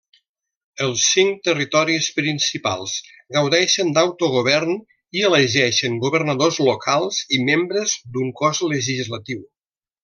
Els cinc territoris principals gaudeixen d'autogovern i elegeixen governadors locals i membres d'un cos legislatiu.